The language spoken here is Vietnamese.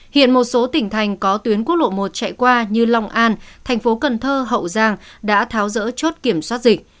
hiện một số tỉnh thành có tuyến quốc lộ một chạy qua như long an thành phố cần thơ hậu giang đã tháo rỡ chốt kiểm soát dịch